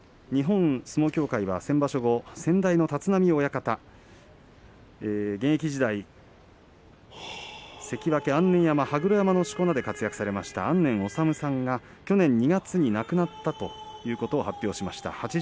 日本相撲協会は先場所後先代の立浪親方現役時代、関脇安念山、羽黒山のしこ名で活躍されました安念治さんが、去年２月に亡くなったということを発表しました。